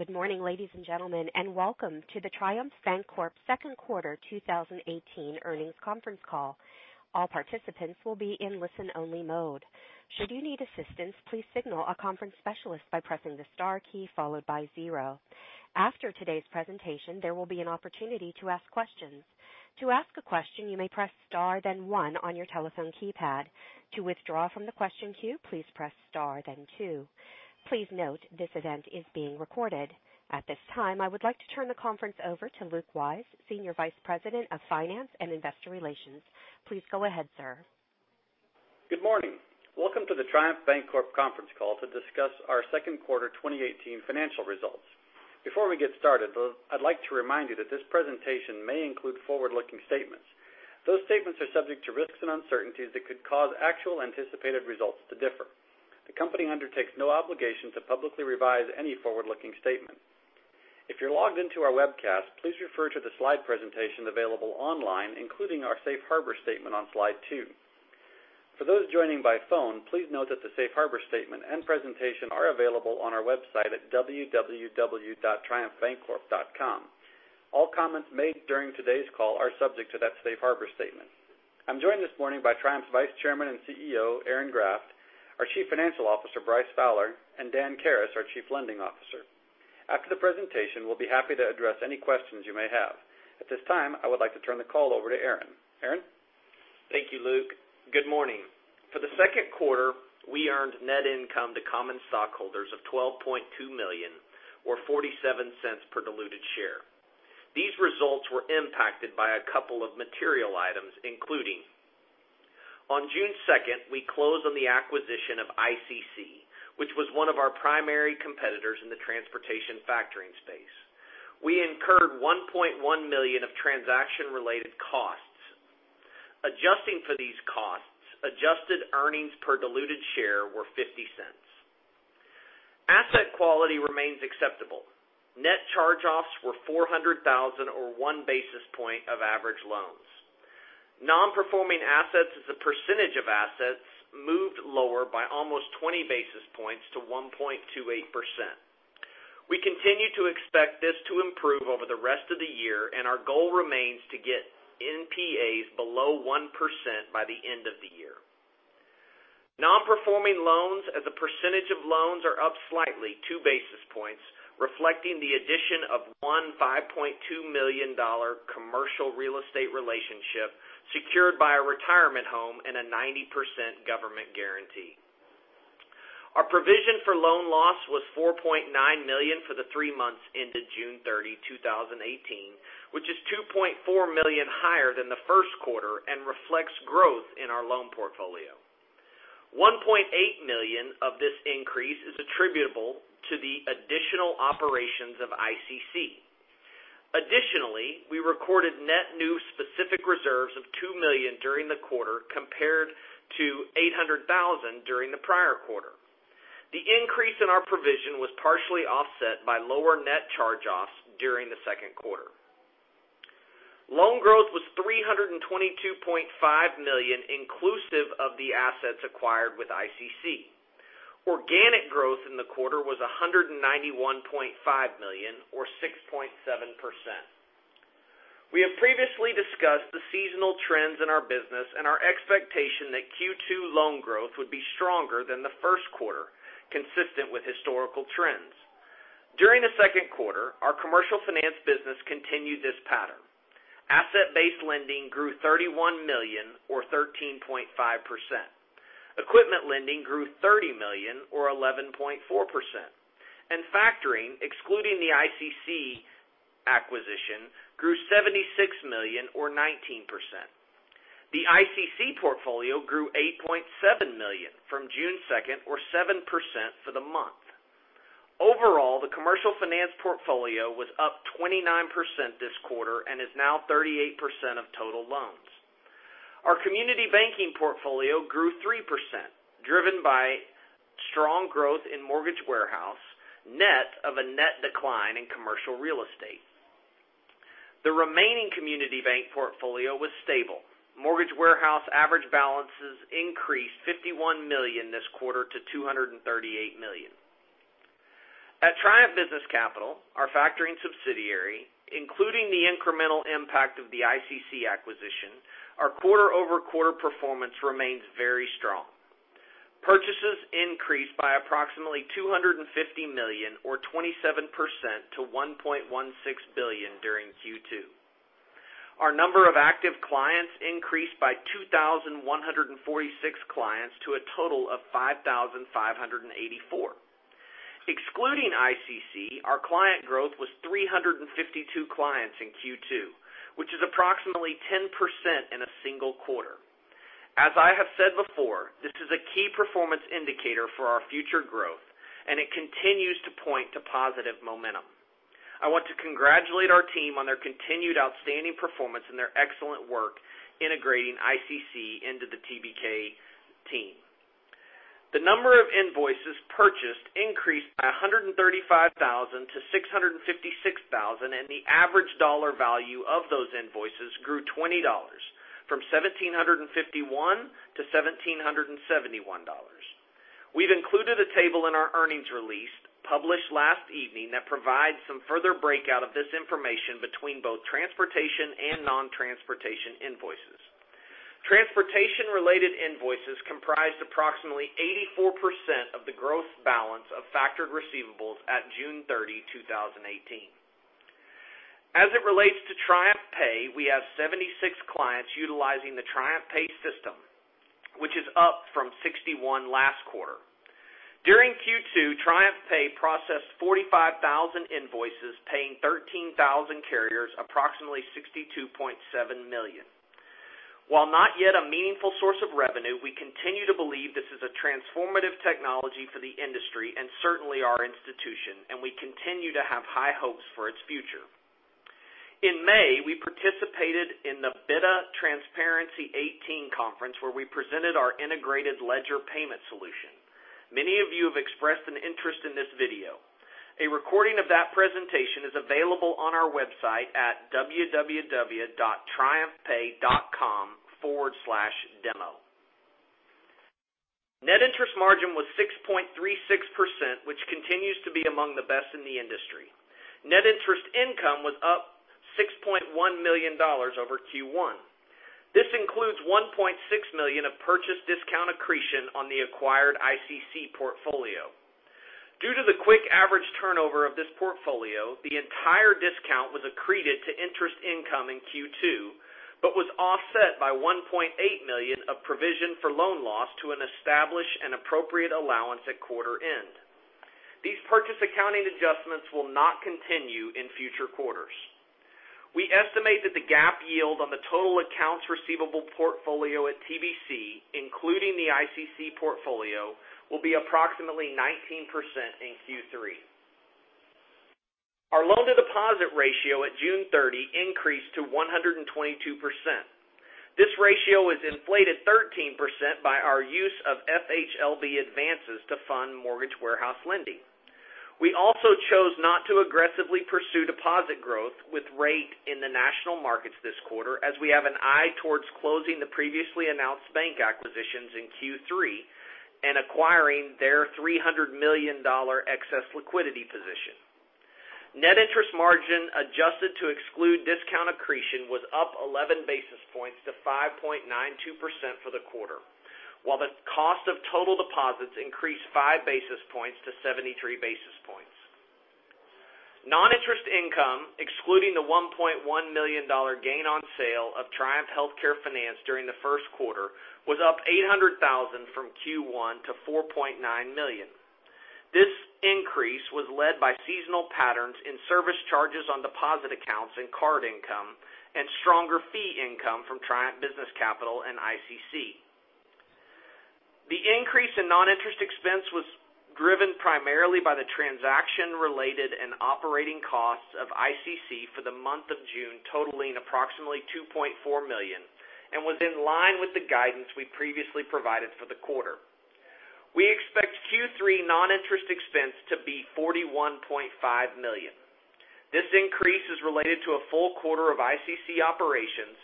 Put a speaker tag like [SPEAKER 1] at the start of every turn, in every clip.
[SPEAKER 1] Good morning, ladies and gentlemen, and welcome to the Triumph Bancorp second quarter 2018 earnings conference call. All participants will be in listen-only mode. Should you need assistance, please signal a conference specialist by pressing the star key followed by 0. After today's presentation, there will be an opportunity to ask questions. To ask a question, you may press star then 1 on your telephone keypad. To withdraw from the question queue, please press star then 2. Please note, this event is being recorded. At this time, I would like to turn the conference over to Luke Wyse, Senior Vice President of Finance and Investor Relations. Please go ahead, sir.
[SPEAKER 2] Good morning. Welcome to the Triumph Bancorp conference call to discuss our second quarter 2018 financial results. Before we get started, I'd like to remind you that this presentation may include forward-looking statements. Those statements are subject to risks and uncertainties that could cause actual anticipated results to differ. The company undertakes no obligation to publicly revise any forward-looking statement. If you're logged in to our webcast, please refer to the slide presentation available online, including our safe harbor statement on slide two. For those joining by phone, please note that the safe harbor statement and presentation are available on our website at www.triumphbancorp.com. All comments made during today's call are subject to that safe harbor statement. I'm joined this morning by Triumph's Vice Chairman and CEO, Aaron Graft, our Chief Financial Officer, Bryce Fowler, and Dan Karas, our Chief Lending Officer. After the presentation, we'll be happy to address any questions you may have. At this time, I would like to turn the call over to Aaron. Aaron?
[SPEAKER 3] Thank you, Luke. Good morning. For the second quarter, we earned net income to common stockholders of $12.2 million or $0.47 per diluted share. These results were impacted by a couple of material items, including: On June 2nd, we closed on the acquisition of ICC, which was one of our primary competitors in the transportation factoring space. We incurred $1.1 million of transaction-related costs. Adjusting for these costs, adjusted earnings per diluted share were $0.50. Asset quality remains acceptable. Net charge-offs were $400,000, or one basis point of average loans. Non-performing assets as a percentage of assets moved lower by almost 20 basis points to 1.28%. We continue to expect this to improve over the rest of the year, and our goal remains to get NPAs below 1% by the end of the year. Non-performing loans as a percentage of loans are up slightly two basis points, reflecting the addition of one $5.2 million commercial real estate relationship secured by a retirement home and a 90% government guarantee. Our provision for loan loss was $4.9 million for the three months ended June 30, 2018, which is $2.4 million higher than the first quarter and reflects growth in our loan portfolio. $1.8 million of this increase is attributable to the additional operations of ICC. Additionally, we recorded net new specific reserves of $2 million during the quarter compared to $800,000 during the prior quarter. The increase in our provision was partially offset by lower net charge-offs during the second quarter. Loan growth was $322.5 million inclusive of the assets acquired with ICC. Organic growth in the quarter was $191.5 million or 6.7%. We have previously discussed the seasonal trends in our business and our expectation that Q2 loan growth would be stronger than the first quarter, consistent with historical trends. During the second quarter, our commercial finance business continued this pattern. Asset-based lending grew $31 million or 13.5%. Equipment lending grew $30 million or 11.4%. Factoring, excluding the ICC acquisition, grew $76 million or 19%. The ICC portfolio grew $8.7 million from June second or 7% for the month. Overall, the commercial finance portfolio was up 29% this quarter and is now 38% of total loans. Our community banking portfolio grew 3%, driven by strong growth in mortgage warehouse, net of a net decline in commercial real estate. The remaining community bank portfolio was stable. Mortgage warehouse average balances increased $51 million this quarter to $238 million. At Triumph Business Capital, our factoring subsidiary, including the incremental impact of the ICC acquisition, our quarter-over-quarter performance remains very strong. Purchases increased by approximately $250 million or 27% to $1.16 billion during Q2. Our number of active clients increased by 2,146 clients to a total of 5,584. Excluding ICC, our client growth was 352 clients in Q2, which is approximately 10% in a single quarter. As I have said before, this is a key performance indicator for our future growth, and it continues to point to positive momentum. I want to congratulate our team on their continued outstanding performance and their excellent work integrating ICC into the TBK team. The number of invoices purchased increased by 135,000 to 656,000, and the average dollar value of those invoices grew $20. From $1,751 to $1,771. We've included a table in our earnings release, published last evening, that provides some further breakout of this information between both transportation and non-transportation invoices. Transportation-related invoices comprised approximately 84% of the gross balance of factored receivables at June 30, 2018. As it relates to TriumphPay, we have 76 clients utilizing the TriumphPay system, which is up from 61 last quarter. During Q2, TriumphPay processed 45,000 invoices, paying 13,000 carriers approximately $62.7 million. While not yet a meaningful source of revenue, we continue to believe this is a transformative technology for the industry and certainly our institution. We continue to have high hopes for its future. In May, we participated in the BiTA Transparency 18 Conference, where we presented our integrated ledger payment solution. Many of you have expressed an interest in this video. A recording of that presentation is available on our website at www.triumphpay.com/demo. Net interest margin was 6.36%, which continues to be among the best in the industry. Net interest income was up $6.1 million over Q1. This includes $1.6 million of purchase discount accretion on the acquired ICC portfolio. Due to the quick average turnover of this portfolio, the entire discount was accreted to interest income in Q2, but was offset by $1.8 million of provision for loan loss to establish an appropriate allowance at quarter end. These purchase accounting adjustments will not continue in future quarters. We estimate that the GAAP yield on the total accounts receivable portfolio at TBC, including the ICC portfolio, will be approximately 19% in Q3. Our loan-to-deposit ratio at June 30 increased to 122%. This ratio was inflated 13% by our use of FHLB advances to fund mortgage warehouse lending. We also chose not to aggressively pursue deposit growth with rate in the national markets this quarter, as we have an eye towards closing the previously announced bank acquisitions in Q3 and acquiring their $300 million excess liquidity position. Net interest margin, adjusted to exclude discount accretion, was up 11 basis points to 5.92% for the quarter, while the cost of total deposits increased five basis points to 73 basis points. Non-interest income, excluding the $1.1 million gain on sale of Triumph Healthcare Finance during the first quarter, was up $800,000 from Q1 to $4.9 million. This increase was led by seasonal patterns in service charges on deposit accounts and card income, and stronger fee income from Triumph Business Capital and ICC. The increase in non-interest expense was driven primarily by the transaction-related and operating costs of ICC for the month of June, totaling approximately $2.4 million, and was in line with the guidance we previously provided for the quarter. We expect Q3 non-interest expense to be $41.5 million. This increase is related to a full quarter of ICC operations,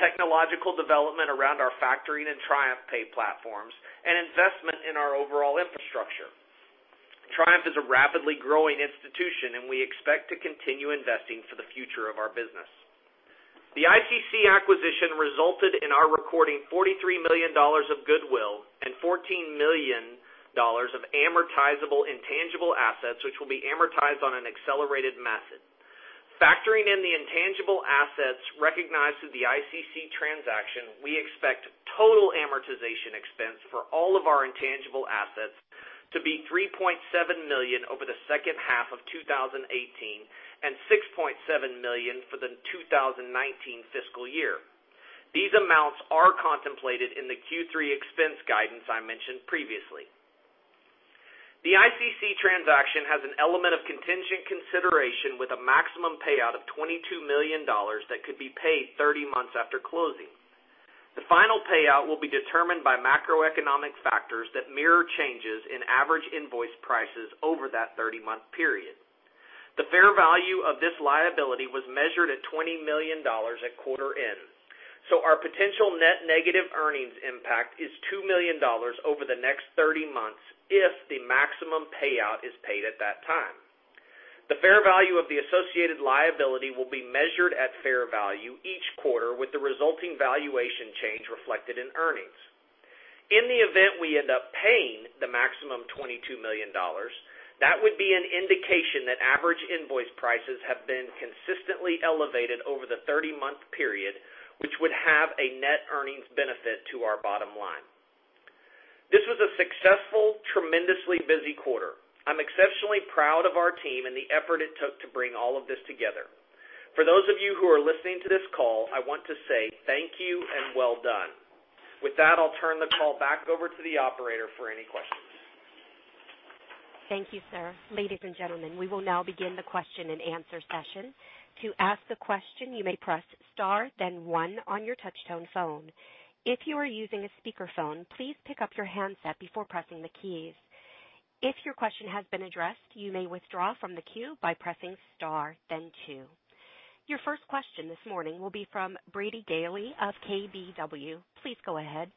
[SPEAKER 3] technological development around our factoring and TriumphPay platforms, and investment in our overall infrastructure. Triumph is a rapidly growing institution, and we expect to continue investing for the future of our business. The ICC acquisition resulted in our recording $43 million of goodwill and $14 million of amortizable intangible assets, which will be amortized on an accelerated method. Factoring in the intangible assets recognized through the ICC transaction, we expect total amortization expense for all of our intangible assets to be $3.7 million over the second half of 2018, and $6.7 million for the 2019 fiscal year. These amounts are contemplated in the Q3 expense guidance I mentioned previously. The ICC transaction has an element of contingent consideration with a maximum payout of $22 million that could be paid 30 months after closing. The final payout will be determined by macroeconomic factors that mirror changes in average invoice prices over that 30-month period. The fair value of this liability was measured at $20 million at quarter end. Our potential net negative earnings impact is $2 million over the next 30 months if the maximum payout is paid at that time. The fair value of the associated liability will be measured at fair value each quarter, with the resulting valuation change reflected in earnings. In the event we end up paying the maximum $22 million, that would be an indication that average invoice prices have been consistently elevated over the 30-month period, which would have a net earnings benefit to our bottom line. This was a successful, tremendously busy quarter. I'm exceptionally proud of our team and the effort it took to bring all of this together. For those of you who are listening to this call, I want to say thank you and well done. With that, I'll turn the call back over to the operator for any questions.
[SPEAKER 1] Thank you, sir. Ladies and gentlemen, we will now begin the question and answer session. To ask a question, you may press star then one on your touchtone phone. If you are using a speakerphone, please pick up your handset before pressing the keys. If your question has been addressed, you may withdraw from the queue by pressing star, then two. Your first question this morning will be from Brady Gailey of KBW. Please go ahead.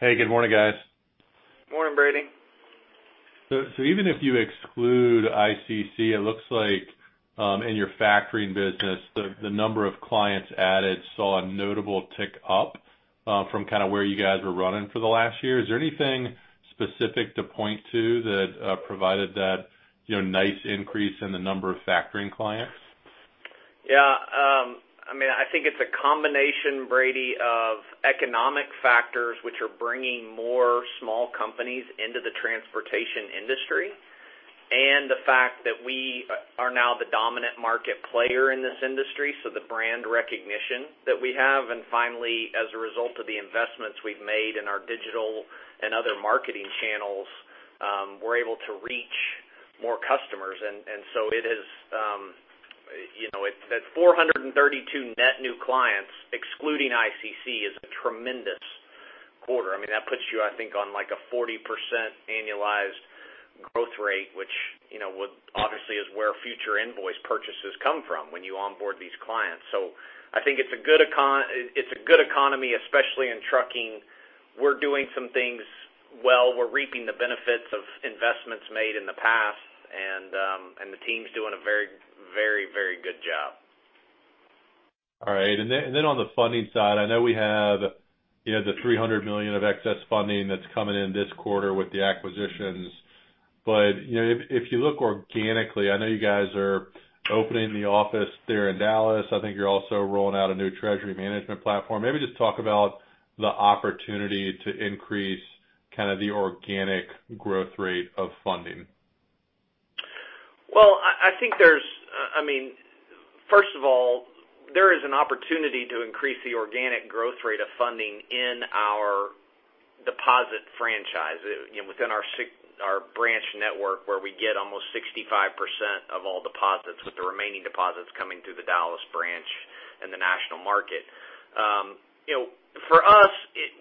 [SPEAKER 4] Hey, good morning, guys.
[SPEAKER 3] Morning, Brady.
[SPEAKER 4] Even if you exclude ICC, it looks like in your factoring business, the number of clients added saw a notable tick up from where you guys were running for the last year. Is there anything specific to point to that provided that nice increase in the number of factoring clients?
[SPEAKER 3] Yeah. I think it's a combination, Brady, of economic factors, which are bringing more small companies into the transportation industry, and the fact that we are now the dominant market player in this industry, so the brand recognition that we have. Finally, as a result of the investments we've made in our digital and other marketing channels, we're able to reach more customers. That 352 net new clients, excluding ICC, is a tremendous quarter. That puts you, I think, on a 40% annualized growth rate, which obviously is where future invoice purchases come from when you onboard these clients. I think it's a good economy, especially in trucking. We're doing some things well. We're reaping the benefits of investments made in the past. The team's doing a very good job.
[SPEAKER 4] All right. Then on the funding side, I know we have the $300 million of excess funding that's coming in this quarter with the acquisitions. If you look organically, I know you guys are opening the office there in Dallas. I think you're also rolling out a new treasury management platform. Maybe just talk about the opportunity to increase the organic growth rate of funding.
[SPEAKER 3] Well, first of all, there is an opportunity to increase the organic growth rate of funding in our deposit franchise within our branch network where we get almost 65% of all deposits, with the remaining deposits coming through the Dallas branch and the national market. For us,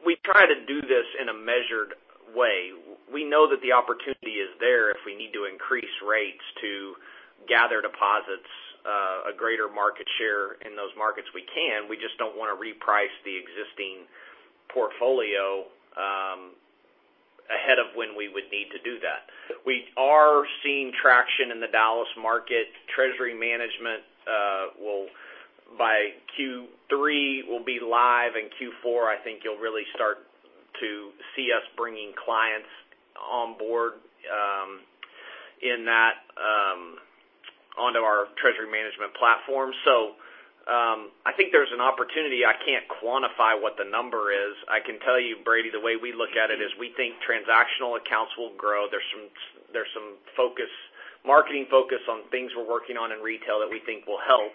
[SPEAKER 3] we try to do this in a measured way. We know that the opportunity is there if we need to increase rates to gather deposits, a greater market share in those markets we can. We just don't want to reprice the existing portfolio ahead of when we would need to do that. We are seeing traction in the Dallas market. Treasury management by Q3 will be live. In Q4, I think you'll really start to see us bringing clients on board in that onto our treasury management platform. I think there's an opportunity. I can't quantify what the number is. I can tell you, Brady, the way we look at it is we think transactional accounts will grow. There's some marketing focus on things we're working on in retail that we think will help.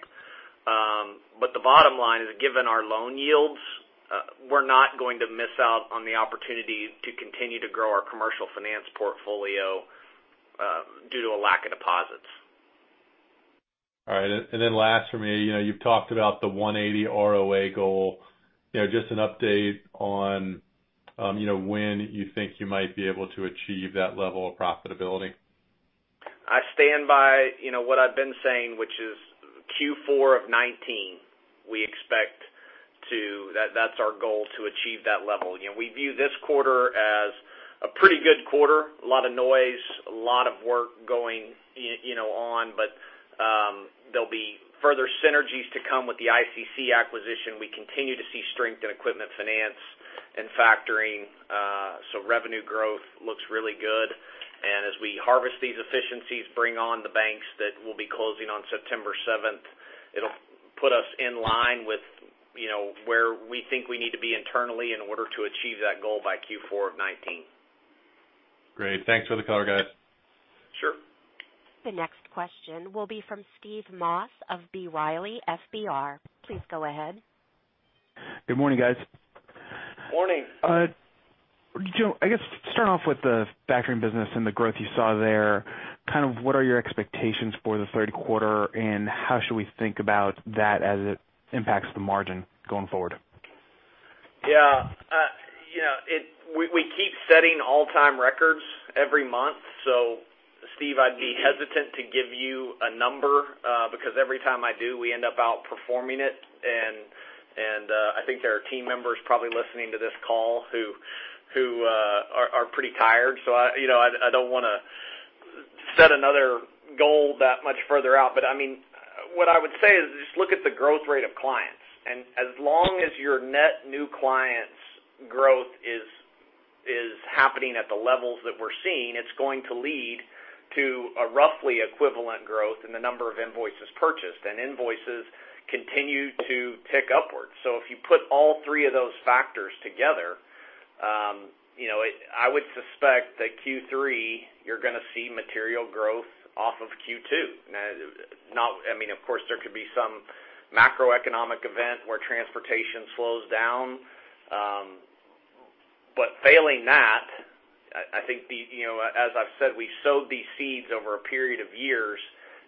[SPEAKER 3] The bottom line is, given our loan yields, we're not going to miss out on the opportunity to continue to grow our commercial finance portfolio due to a lack of deposits.
[SPEAKER 4] All right. Last for me, you've talked about the 180 ROA goal. Just an update on when you think you might be able to achieve that level of profitability.
[SPEAKER 3] I stand by what I've been saying, which is Q4 of 2019. That's our goal to achieve that level. We view this quarter as a pretty good quarter. A lot of noise, a lot of work going on. There'll be further synergies to come with the ICC acquisition. We continue to see strength in equipment finance and factoring. Revenue growth looks really good. As we harvest these efficiencies, bring on the banks that will be closing on September 7th, it'll put us in line with where we think we need to be internally in order to achieve that goal by Q4 of 2019.
[SPEAKER 4] Great. Thanks for the color, guys.
[SPEAKER 3] Sure.
[SPEAKER 1] The next question will be from Steve Moss of B. Riley FBR. Please go ahead.
[SPEAKER 5] Good morning, guys.
[SPEAKER 3] Morning.
[SPEAKER 5] Joe, I guess to start off with the factoring business and the growth you saw there, what are your expectations for the third quarter, and how should we think about that as it impacts the margin going forward?
[SPEAKER 3] Yeah. We keep setting all-time records every month. Steve, I'd be hesitant to give you a number, because every time I do, we end up outperforming it. I think there are team members probably listening to this call who are pretty tired. I don't want to set another goal that much further out. What I would say is just look at the growth rate of clients. As long as your net new clients growth is happening at the levels that we're seeing, it's going to lead to a roughly equivalent growth in the number of invoices purchased. Invoices continue to tick upwards. If you put all three of those factors together, I would suspect that Q3, you're going to see material growth off of Q2. Of course, there could be some macroeconomic event where transportation slows down. Failing that, as I've said, we sowed these seeds over a period of years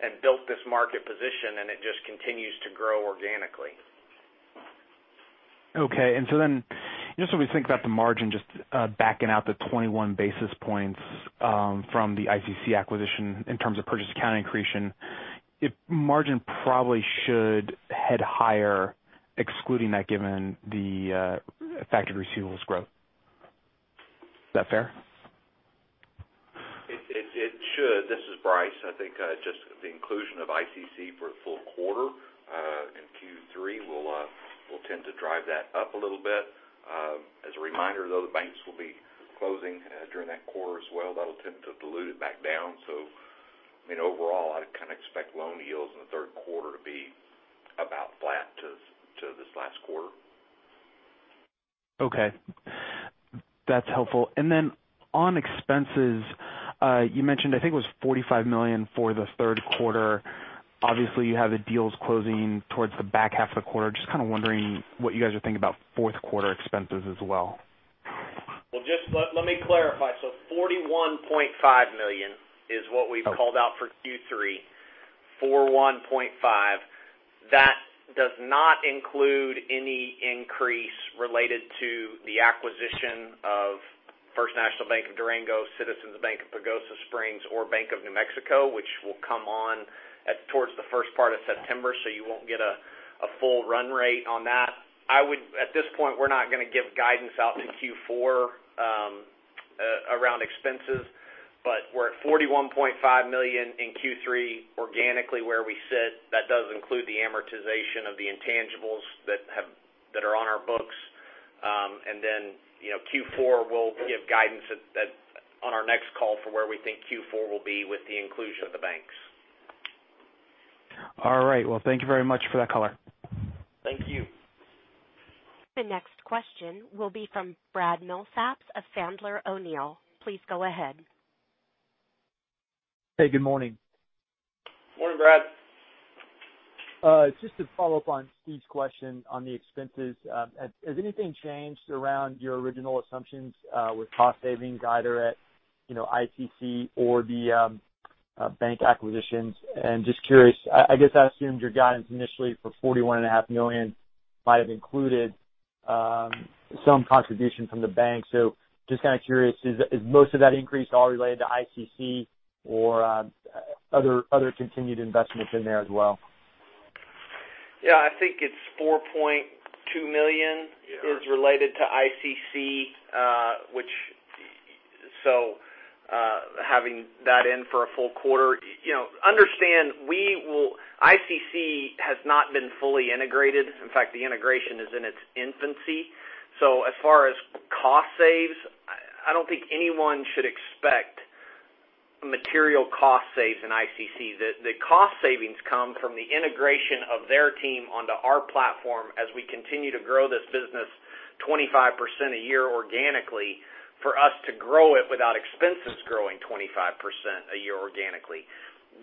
[SPEAKER 3] and built this market position, and it just continues to grow organically.
[SPEAKER 5] When we think about the margin, just backing out the 21 basis points from the ICC acquisition in terms of purchase accounting accretion, margin probably should head higher, excluding that given the effective receivables growth. Is that fair?
[SPEAKER 6] It should. This is Bryce. I think just the inclusion of ICC for a full quarter in Q3 will tend to drive that up a little bit. As a reminder, though, the banks will be closing during that quarter as well. That'll tend to dilute it back down. Overall, I kind of expect loan yields in the third quarter to be about flat to this last quarter.
[SPEAKER 5] That's helpful. On expenses, you mentioned, I think it was $45 million for the third quarter. Obviously, you have the deals closing towards the back half of the quarter. Just kind of wondering what you guys are thinking about fourth quarter expenses as well.
[SPEAKER 3] Just let me clarify. $41.5 million is what we've called out for Q3, $41.5. That does not include any increase related to the acquisition of The First National Bank of Durango, Citizens Bank of Pagosa Springs, or Bank of New Mexico, which will come on towards the first part of September, so you won't get a full run rate on that. At this point, we're not going to give guidance out to Q4 around expenses. We're at $41.5 million in Q3 organically where we sit. That does include the amortization of the intangibles that are on our books. Q4, we'll give guidance on our next call for where we think Q4 will be with the inclusion of the banks.
[SPEAKER 5] Thank you very much for that color.
[SPEAKER 3] Thank you.
[SPEAKER 1] The next question will be from Brad Milsaps of Sandler O'Neill. Please go ahead.
[SPEAKER 7] Hey, good morning.
[SPEAKER 3] Morning, Brad.
[SPEAKER 7] Just to follow up on Steve's question on the expenses, has anything changed around your original assumptions with cost savings, either at ICC or the bank acquisitions? Just curious, I guess I assumed your guidance initially for $41.5 million might have included some contribution from the bank. Just kind of curious, is most of that increase all related to ICC or other continued investments in there as well?
[SPEAKER 3] Yeah, I think it's $4.2 million is related to ICC. Having that in for a full quarter. Understand ICC has not been fully integrated. In fact, the integration is in its infancy. As far as cost saves, I don't think anyone should expect material cost saves in ICC. The cost savings come from the integration of their team onto our platform as we continue to grow this business 25% a year organically for us to grow it without expenses growing 25% a year organically.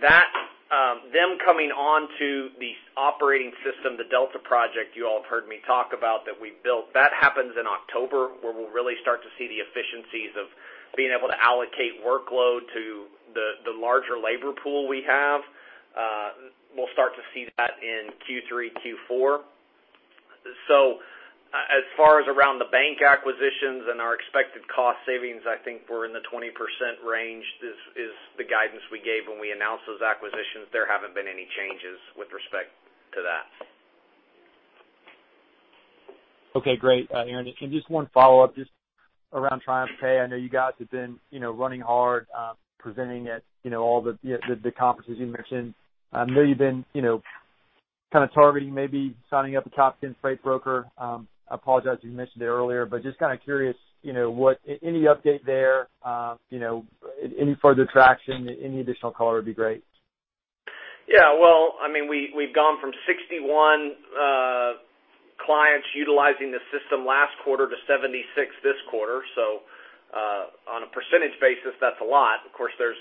[SPEAKER 3] Them coming onto the operating system, the Delta project you all have heard me talk about that we built, that happens in October, where we'll really start to see the efficiencies of being able to allocate workload to the larger labor pool we have. We'll start to see that in Q3, Q4. As far as around the bank acquisitions and our expected cost savings, I think we're in the 20% range is the guidance we gave when we announced those acquisitions. There haven't been any changes with respect to that.
[SPEAKER 7] Okay, great. Aaron, just one follow-up just around TriumphPay. I know you guys have been running hard, presenting at all the conferences you mentioned. I know you've been kind of targeting maybe signing up a top 10 freight broker. I apologize if you mentioned it earlier, but just kind of curious, any update there, any further traction, any additional color would be great.
[SPEAKER 3] Well, we've gone from 61 clients utilizing the system last quarter to 76 this quarter. On a percentage basis, that's a lot. Of course, we're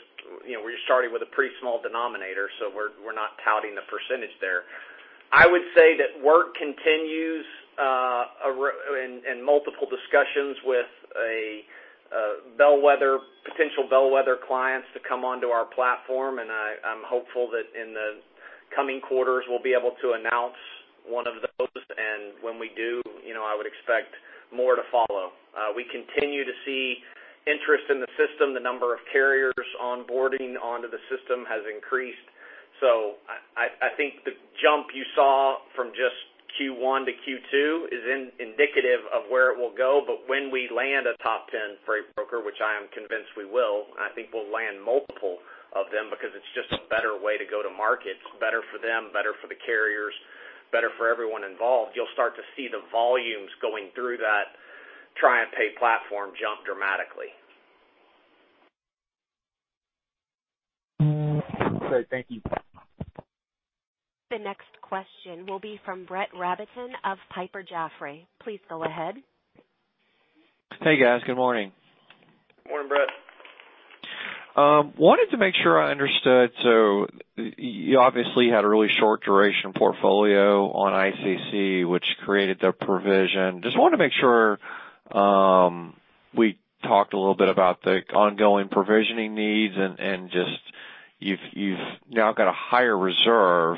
[SPEAKER 3] starting with a pretty small denominator, so we're not touting the percentage there. I would say that work continues in multiple discussions with potential bellwether clients to come onto our platform, and I'm hopeful that in the coming quarters, we'll be able to announce one of those. When we do, I would expect more to follow. We continue to see interest in the system. The number of carriers onboarding onto the system has increased. I think the jump you saw from just Q1 to Q2 is indicative of where it will go. When we land a top 10 freight broker, which I am convinced we will, I think we'll land multiple of them because it's just a better way to go to market. It's better for them, better for the carriers, better for everyone involved. You'll start to see the volumes going through that TriumphPay platform jump dramatically.
[SPEAKER 7] Great. Thank you.
[SPEAKER 1] The next question will be from Brett Rabatin of Piper Jaffray. Please go ahead.
[SPEAKER 8] Hey, guys. Good morning.
[SPEAKER 3] Morning, Brett.
[SPEAKER 8] Wanted to make sure I understood. You obviously had a really short duration portfolio on ICC, which created the provision. Just wanted to make sure we talked a little bit about the ongoing provisioning needs, and you've now got a higher reserve.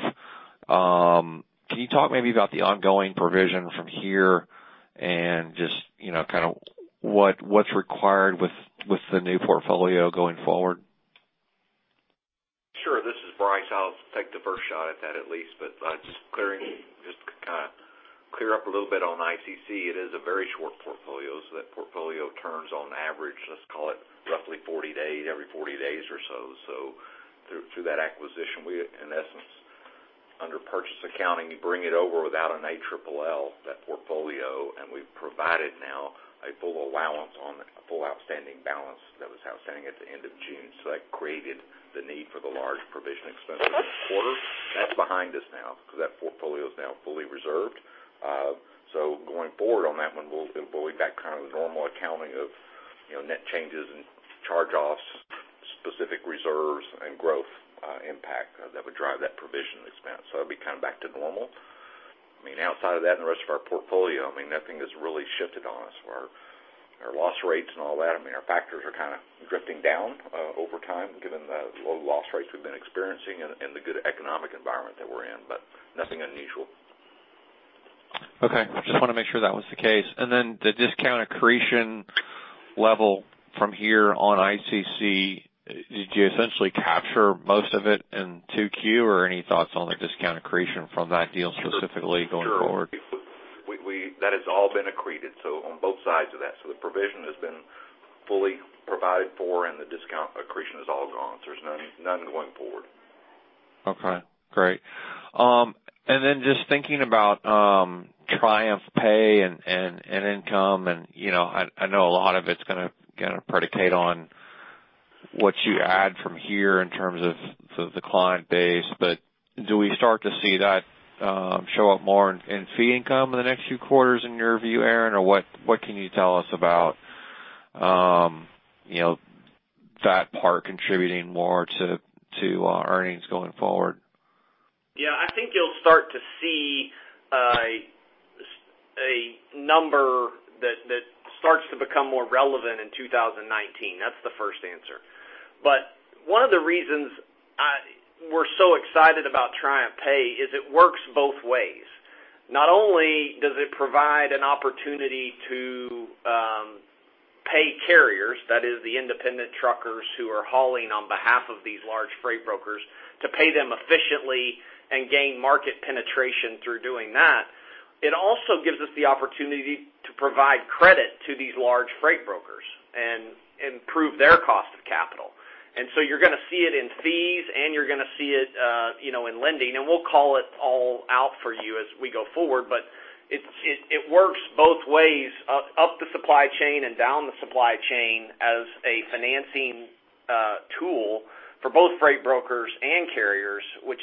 [SPEAKER 8] Can you talk maybe about the ongoing provision from here, and just kind of what's required with the new portfolio going forward?
[SPEAKER 6] Sure. This is Bryce. I'll take the first shot at that at least. Just to kind of clear up a little bit on ICC, it is a very short portfolio. That portfolio turns on average, let's call it roughly every 40 days or so. Through that acquisition, we, in essence, under purchase accounting, bring it over without an ALL, that portfolio, and we've provided now a full allowance on a full outstanding balance that was outstanding at the end of June. That created the need for the large provision expense in the quarter. That's behind us now because that portfolio is now fully reserved. Going forward on that one, it'll be back kind of to normal accounting of net changes and charge-offs, specific reserves, and growth impact that would drive that provision expense. It'll be kind of back to normal. Outside of that, in the rest of our portfolio, nothing has really shifted on us. Our loss rates and all that, our factors are kind of drifting down over time, given the low loss rates we've been experiencing and the good economic environment that we're in, but nothing unusual.
[SPEAKER 8] Okay. Just want to make sure that was the case. Then the discount accretion level from here on ICC, did you essentially capture most of it in 2Q, or any thoughts on the discount accretion from that deal specifically going forward?
[SPEAKER 6] Sure. That has all been accreted, on both sides of that. The provision has been fully provided for, and the discount accretion is all gone. There's none going forward.
[SPEAKER 8] Okay, great. Just thinking about TriumphPay and income, I know a lot of it's going to predicate on what you add from here in terms of the client base. Do we start to see that show up more in fee income in the next few quarters in your view, Aaron? What can you tell us about that part contributing more to earnings going forward?
[SPEAKER 3] Yeah, I think you'll start to see a number that starts to become more relevant in 2019. That's the first answer. One of the reasons we're so excited about TriumphPay is it works both ways. Not only does it provide an opportunity to pay carriers, that is the independent truckers who are hauling on behalf of these large freight brokers, to pay them efficiently and gain market penetration through doing that. It also gives us the opportunity to provide credit to these large freight brokers and improve their cost of capital. You're going to see it in fees, you're going to see it in lending. We'll call it all out for you as we go forward. It works both ways up the supply chain and down the supply chain as a financing tool for both freight brokers and carriers, which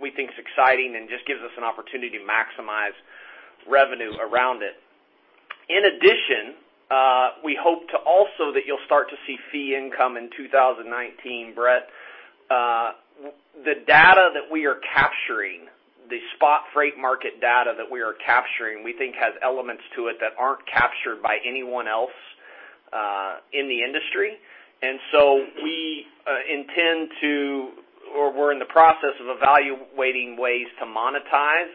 [SPEAKER 3] we think is exciting and just gives us an opportunity to maximize revenue around it. In addition, we hope to also that you'll start to see fee income in 2019, Brett. The data that we are capturing, the spot freight market data that we are capturing, we think has elements to it that aren't captured by anyone else in the industry. We intend to, or we're in the process of evaluating ways to monetize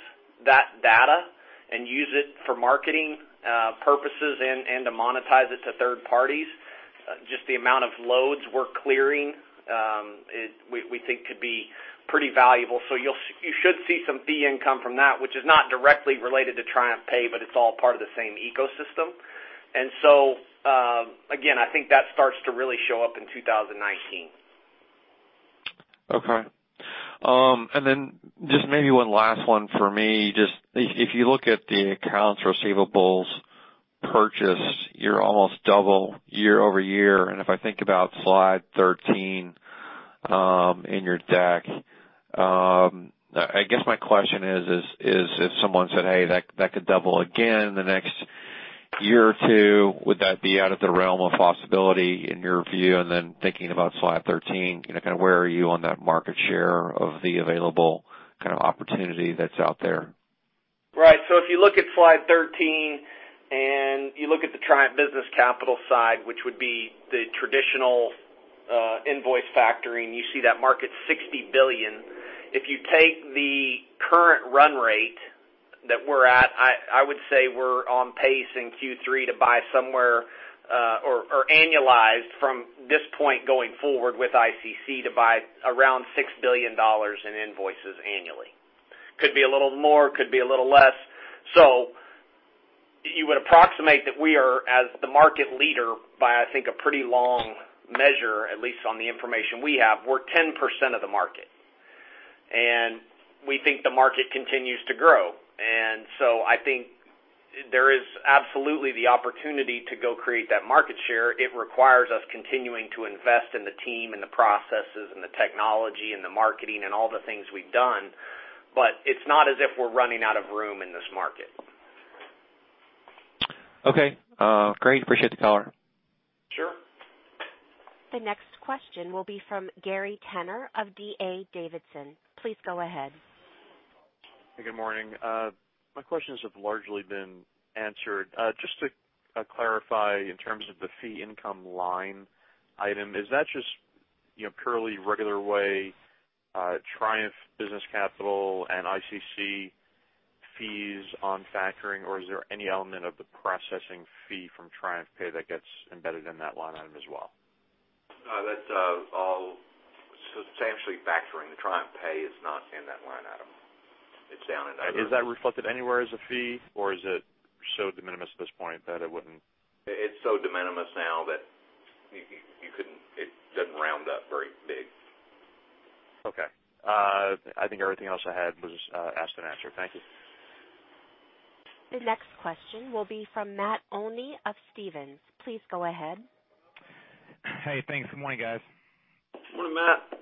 [SPEAKER 3] that data and use it for marketing purposes and to monetize it to third parties. Just the amount of loads we're clearing, we think could be pretty valuable. You should see some fee income from that, which is not directly related to TriumphPay, but it's all part of the same ecosystem. Again, I think that starts to really show up in 2019.
[SPEAKER 8] Just maybe one last one for me. Just if you look at the accounts receivables purchase, you're almost double year-over-year. If I think about slide 13 in your deck, I guess my question is if someone said, "Hey, that could double again in the next year or two," would that be out of the realm of possibility in your view? Thinking about slide 13, kind of where are you on that market share of the available kind of opportunity that's out there?
[SPEAKER 3] If you look at slide 13 and you look at the Triumph Business Capital side, which would be the traditional invoice factoring, you see that market's $60 billion. If you take the current run rate that we're at, I would say we're on pace in Q3 to buy somewhere, or annualized from this point going forward with ICC to buy around $6 billion in invoices annually. Could be a little more, could be a little less. You would approximate that we are, as the market leader by, I think, a pretty long measure, at least on the information we have, we're 10% of the market, and we think the market continues to grow. I think there is absolutely the opportunity to go create that market share. It requires us continuing to invest in the team and the processes and the technology and the marketing and all the things we've done, but it's not as if we're running out of room in this market.
[SPEAKER 8] Okay, great. Appreciate the color.
[SPEAKER 3] Sure.
[SPEAKER 1] The next question will be from Gary Tenner of D.A. Davidson. Please go ahead.
[SPEAKER 9] Good morning. My questions have largely been answered. Just to clarify in terms of the fee income line item, is that just purely regular way Triumph Business Capital and ICC fees on factoring, or is there any element of the processing fee from TriumphPay that gets embedded in that line item as well?
[SPEAKER 3] No, that's all substantially factoring. The TriumphPay is not in that line item.
[SPEAKER 9] Is that reflected anywhere as a fee, or is it so de minimis at this point that it wouldn't?
[SPEAKER 3] It's so de minimis now that it doesn't round up very big.
[SPEAKER 9] Okay. I think everything else I had was asked and answered. Thank you.
[SPEAKER 1] The next question will be from Matt Olney of Stephens. Please go ahead.
[SPEAKER 10] Hey, thanks. Good morning, guys.
[SPEAKER 3] Morning, Matt.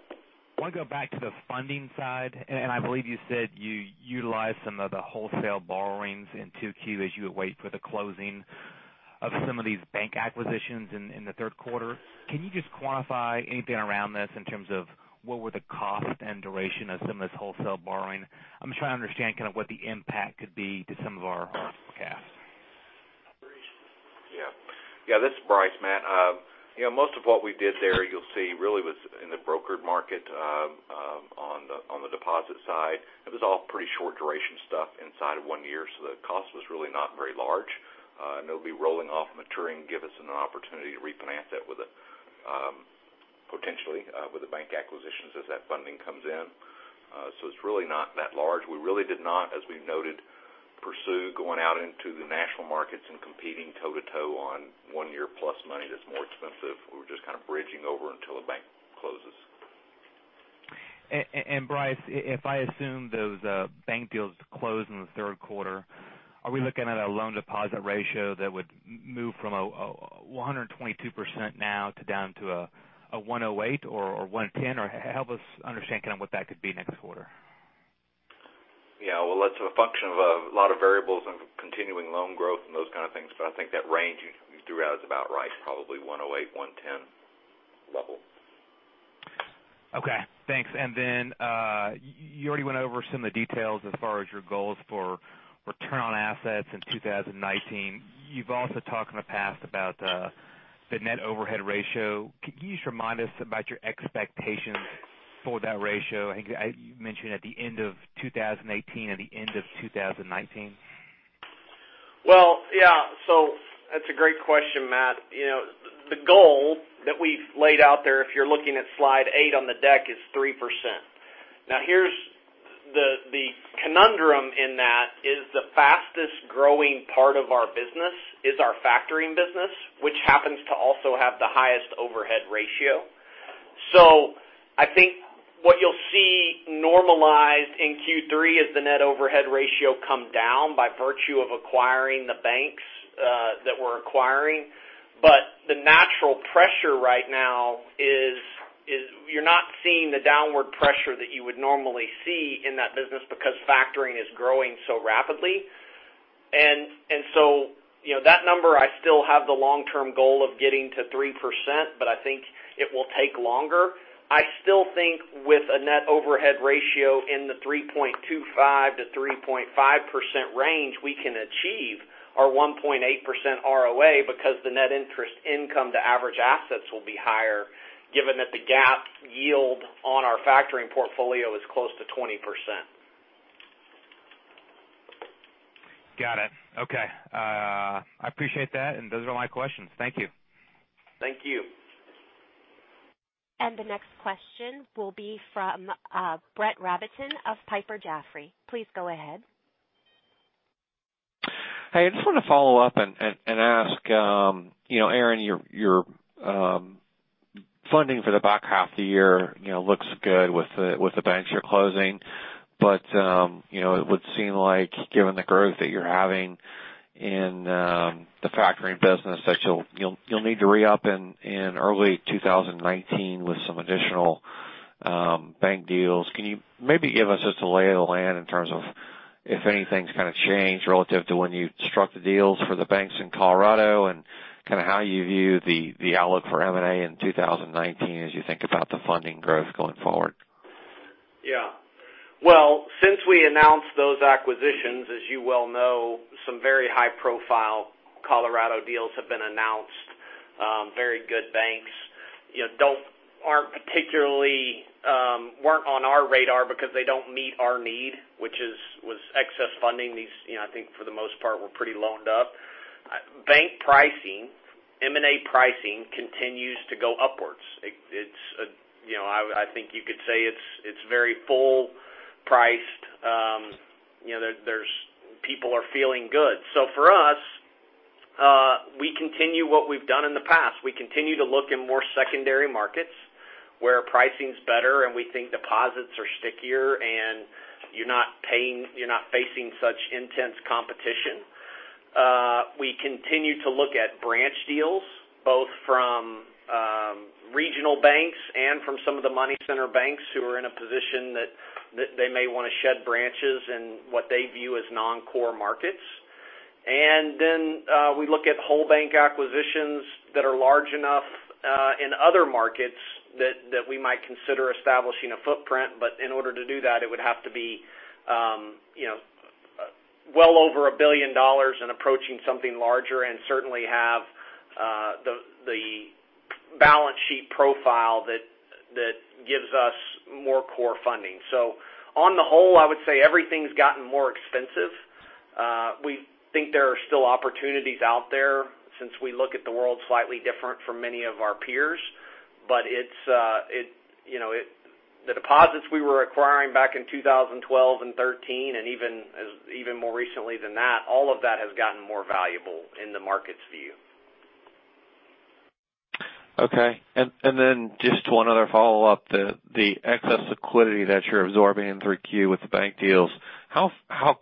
[SPEAKER 10] I want to go back to the funding side. I believe you said you utilized some of the wholesale borrowings in 2Q as you await for the closing of some of these bank acquisitions in the third quarter. Can you just quantify anything around this in terms of what were the cost and duration of some of this wholesale borrowing? I'm just trying to understand kind of what the impact could be to some of our forecasts.
[SPEAKER 6] Yeah. This is Bryce, Matt. Most of what we did there, you'll see, really was in the brokered market on the deposit side. It was all pretty short duration stuff inside of one year, the cost was really not very large. It'll be rolling off, maturing, give us an opportunity to replant that potentially with the bank acquisitions as that funding comes in. It's really not that large. We really did not, as we noted, pursue going out into the national markets and competing toe to toe on one year plus money that's more expensive. We're just kind of bridging over until a bank closes.
[SPEAKER 10] Bryce, if I assume those bank deals close in the third quarter, are we looking at a loan deposit ratio that would move from a 122% now to down to a 108% or 110%, or help us understand kind of what that could be next quarter.
[SPEAKER 6] Yeah. Well, that's a function of a lot of variables and continuing loan growth and those kind of things. I think that range you threw out is about right, probably 108%, 110% level.
[SPEAKER 10] Okay, thanks. Then you already went over some of the details as far as your goals for return on assets in 2019. You've also talked in the past about the net overhead ratio. Can you just remind us about your expectations for that ratio? I think you mentioned at the end of 2018 and the end of 2019.
[SPEAKER 3] Well, yeah. That's a great question, Matt. The goal that we've laid out there, if you're looking at slide eight on the deck, is 3%. Here's the conundrum in that is the fastest growing part of our business is our factoring business, which happens to also have the highest overhead ratio. I think what you'll see normalized in Q3 is the net overhead ratio come down by virtue of acquiring the banks that we're acquiring. The natural pressure right now is you're not seeing the downward pressure that you would normally see in that business because factoring is growing so rapidly. That number, I still have the long-term goal of getting to 3%, but I think it will take longer. I still think with a net overhead ratio in the 3.25%-3.5% range, we can achieve our 1.8% ROA because the net interest income to average assets will be higher, given that the GAAP yield on our factoring portfolio is close to 20%.
[SPEAKER 10] Got it. Okay. I appreciate that, those are all my questions. Thank you.
[SPEAKER 3] Thank you.
[SPEAKER 1] The next question will be from Brett Rabatin of Piper Jaffray. Please go ahead.
[SPEAKER 8] Hey, I just want to follow up and ask, Aaron, your funding for the back half of the year looks good with the banks you're closing. It would seem like given the growth that you're having in the factoring business, that you'll need to re-up in early 2019 with some additional bank deals. Can you maybe give us just a lay of the land in terms of if anything's kind of changed relative to when you struck the deals for the banks in Colorado and kind of how you view the outlook for M&A in 2019 as you think about the funding growth going forward?
[SPEAKER 3] Yeah. Well, since we announced those acquisitions, as you well know, some very high profile Colorado deals have been announced. Very good banks weren't on our radar because they don't meet our need, which was excess funding. These, I think for the most part, were pretty loaned up. Bank pricing, M&A pricing continues to go upwards. I think you could say it's very full priced. People are feeling good. For us, we continue what we've done in the past. We continue to look in more secondary markets where pricing's better and we think deposits are stickier and you're not facing such intense competition. We continue to look at branch deals, both from regional banks and from some of the money center banks who are in a position that they may want to shed branches in what they view as non-core markets. We look at whole bank acquisitions that are large enough in other markets that we might consider establishing a footprint. In order to do that, it would have to be well over $1 billion and approaching something larger and certainly have the balance sheet profile that gives us more core funding. On the whole, I would say everything's gotten more expensive. We think there are still opportunities out there since we look at the world slightly different from many of our peers. The deposits we were acquiring back in 2012 and 2013, and even more recently than that, all of that has gotten more valuable in the market's view.
[SPEAKER 8] Okay. Just one other follow-up. The excess liquidity that you're absorbing in 3Q with the bank deals, how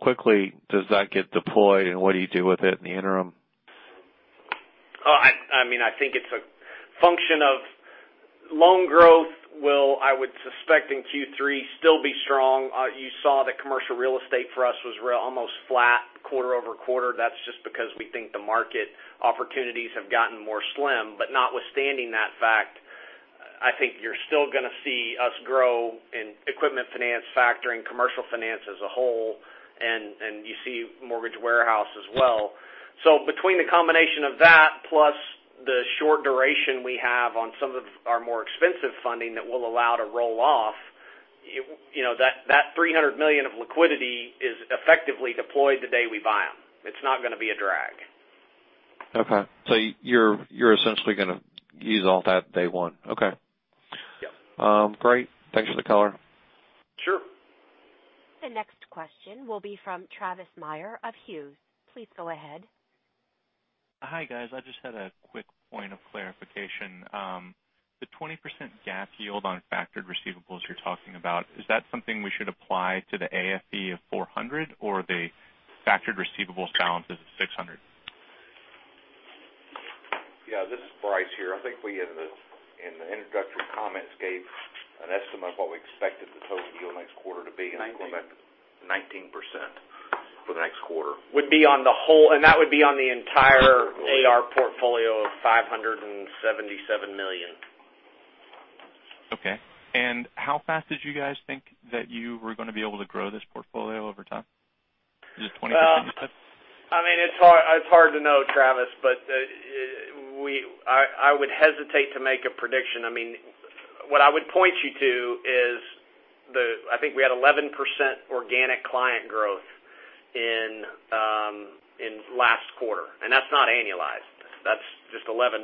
[SPEAKER 8] quickly does that get deployed, and what do you do with it in the interim?
[SPEAKER 3] I think it's a function of loan growth will, I would suspect in Q3, still be strong. You saw that commercial real estate for us was almost flat quarter-over-quarter. That's just because we think the market opportunities have gotten more slim. Notwithstanding that fact, I think you're still going to see us grow in equipment finance factoring, commercial finance as a whole, and you see mortgage warehouse as well. Between the combination of that plus the short duration we have on some of our more expensive funding that we'll allow to roll off, that $300 million of liquidity is effectively deployed the day we buy them. It's not going to be a drag.
[SPEAKER 8] Okay. You're essentially going to use all that day one. Okay.
[SPEAKER 3] Yes.
[SPEAKER 8] Great. Thanks for the color.
[SPEAKER 3] Sure.
[SPEAKER 1] The next question will be from Travis Meyer of Hughes. Please go ahead.
[SPEAKER 11] Hi, guys. I just had a quick point of clarification. The 20% GAAP yield on factored receivables you're talking about, is that something we should apply to the AFE of $400 or the factored receivables balances of $600?
[SPEAKER 6] Yeah, this is Bryce here. I think we, in the introductory comments, gave an estimate of what we expected the total deal next quarter to be.
[SPEAKER 12] 19%. 19% for the next quarter.
[SPEAKER 3] That would be on the entire AR portfolio of $577 million.
[SPEAKER 11] Okay. How fast did you guys think that you were going to be able to grow this portfolio over time? Is it 20% you said?
[SPEAKER 3] It's hard to know, Travis, I would hesitate to make a prediction. What I would point you to is, I think we had 11% organic client growth in last quarter, that's not annualized. That's just 11%.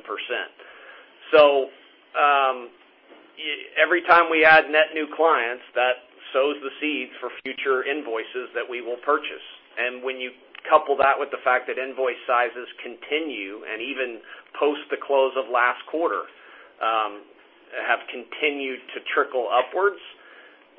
[SPEAKER 3] Every time we add net new clients, that sows the seed for future invoices that we will purchase. When you couple that with the fact that invoice sizes continue, and even post the close of last quarter, have continued to trickle upwards,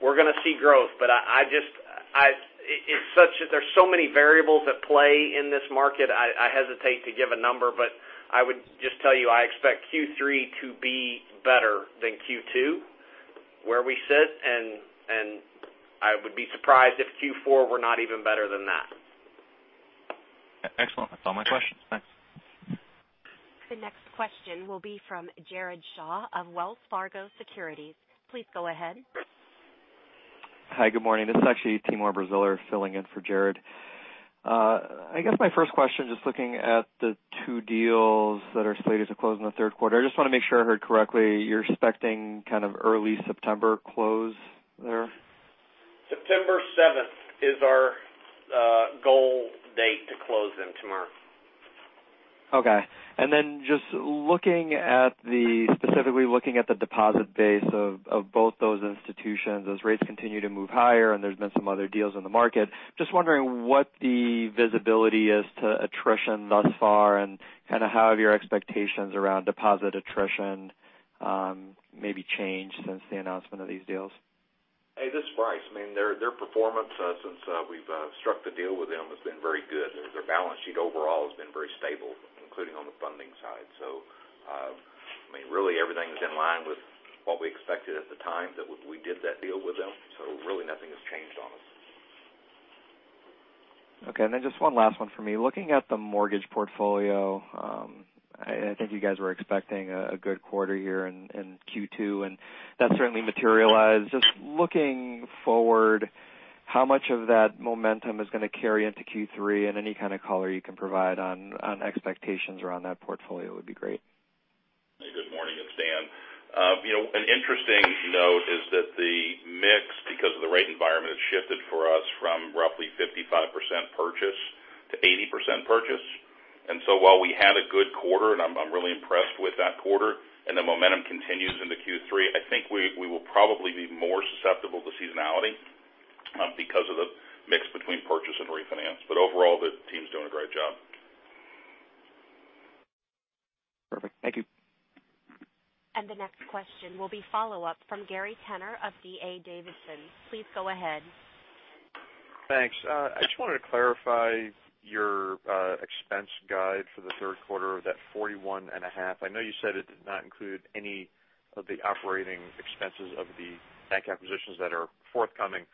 [SPEAKER 3] we're going to see growth. There's so many variables at play in this market, I hesitate to give a number, but I would just tell you, I expect Q3 to be better than Q2 where we sit, I would be surprised if Q4 were not even better than that.
[SPEAKER 11] Excellent. That's all my questions. Thanks.
[SPEAKER 1] The next question will be from Jared Shaw of Wells Fargo Securities. Please go ahead.
[SPEAKER 13] Hi, good morning. This is actually Timur Braziler filling in for Jared. I guess my first question, just looking at the two deals that are slated to close in the third quarter, I just want to make sure I heard correctly, you're expecting kind of early September close there?
[SPEAKER 3] September 7th is our goal date to close them, Timur.
[SPEAKER 13] Okay. Specifically looking at the deposit base of both those institutions, as rates continue to move higher and there's been some other deals in the market, just wondering what the visibility is to attrition thus far and how have your expectations around deposit attrition maybe changed since the announcement of these deals?
[SPEAKER 6] Hey, this is Bryce. Their performance since we've struck the deal with them has been very good. Their balance sheet overall has been very stable, including on the funding side. Everything is in line with what we expected at the time that we did that deal with them. Nothing has changed on us.
[SPEAKER 13] Okay. Just one last one for me. Looking at the mortgage portfolio, I think you guys were expecting a good quarter here in Q2, and that certainly materialized. Just looking forward, how much of that momentum is going to carry into Q3 and any kind of color you can provide on expectations around that portfolio would be great.
[SPEAKER 12] Hey, good morning. It's Dan. An interesting note is that the mix, because of the rate environment, has shifted for us from roughly 55% purchase to 80% purchase. While we had a good quarter, and I am really impressed with that quarter, and the momentum continues into Q3, I think we will probably be more susceptible to seasonality because of the mix between purchase and refinance. Overall, the team's doing a great job.
[SPEAKER 13] Perfect. Thank you.
[SPEAKER 1] The next question will be follow-up from Gary Tenner of D.A. Davidson. Please go ahead.
[SPEAKER 9] Thanks. I just wanted to clarify your expense guide for the third quarter, that $41.5. I know you said it did not include any of the operating expenses of the bank acquisitions that are forthcoming,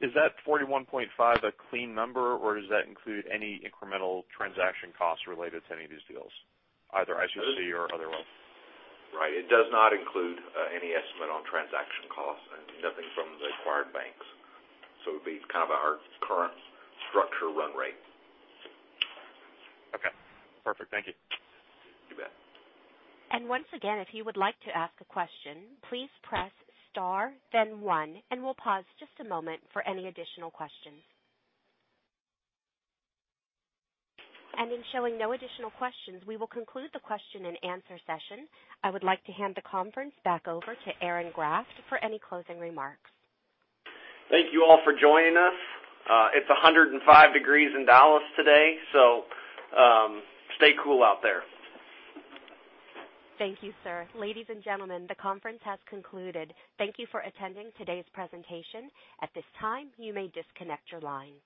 [SPEAKER 9] is that $41.5 a clean number, or does that include any incremental transaction costs related to any of these deals, either ICC or otherwise?
[SPEAKER 6] Right. It does not include any estimate on transaction costs and nothing from the acquired banks. It would be kind of our current structure run rate.
[SPEAKER 9] Okay, perfect. Thank you.
[SPEAKER 6] You bet.
[SPEAKER 1] Once again, if you would like to ask a question, please press star then one, and we'll pause just a moment for any additional questions. In showing no additional questions, we will conclude the question and answer session. I would like to hand the conference back over to Aaron Graft for any closing remarks.
[SPEAKER 3] Thank you all for joining us. It's 105 degrees Fahrenheit in Dallas today, stay cool out there.
[SPEAKER 1] Thank you, sir. Ladies and gentlemen, the conference has concluded. Thank you for attending today's presentation. At this time, you may disconnect your line.